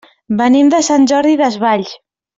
Venim de Sant Jordi Desvalls.